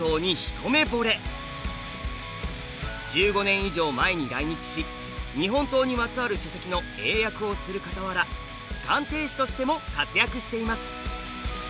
１５年以上前に来日し日本刀にまつわる書籍の英訳をするかたわら鑑定士としても活躍しています。